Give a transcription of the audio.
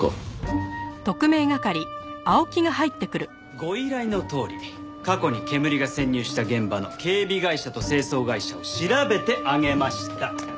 ご依頼のとおり過去にけむりが潜入した現場の警備会社と清掃会社を調べてあげました。